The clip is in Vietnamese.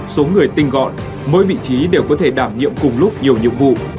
số người tinh gọn mỗi vị trí đều có thể đảm nhiệm cùng lúc nhiều nhiệm vụ